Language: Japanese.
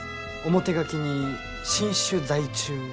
表書きに「新種在中」と。